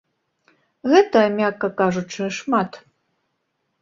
Гэта, мякка кажучы, шмат.